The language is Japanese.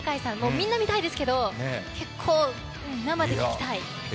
みんな見たいですけど生で聴きたい！